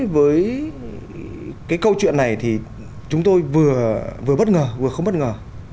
vừa bất ngờ vừa không bất ngờ